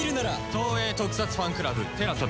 東映特撮ファンクラブＴＥＬＡＳＡで。